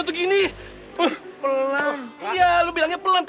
tak istilah orang lain